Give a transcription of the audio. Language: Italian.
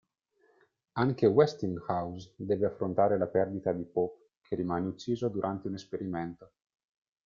Anche Westinghouse deve affrontare la perdita di Pope, che rimane ucciso durante un esperimento.